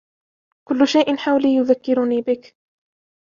كل شيء حولي يذكرني بك.